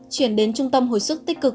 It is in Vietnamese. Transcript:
chuyển đến trung tâm hồi sức tích cực